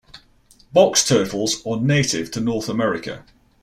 Box turtles are native to North America.